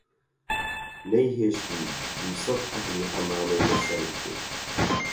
نەیهێشت و دووسەد ئەهلی عەمامەی لە سەرم کرد